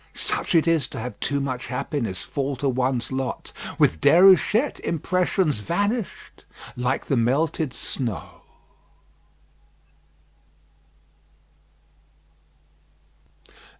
Such it is to have too much happiness fall to one's lot! With Déruchette impressions vanished like the melted snow.